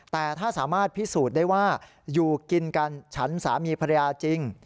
แต่ถ้าสามารถพิสูจน์ได้ว่าอยู่กินกันฉันสามีภรรยาจริง